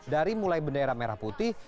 dari mulai bendera merah putih bendera parpol